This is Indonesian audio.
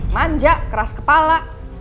manja keras kepala